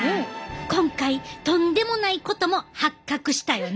今回とんでもないことも発覚したよね。